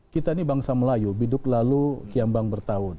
kita ini bangsa melayu biduk lalu kiam bang bertaut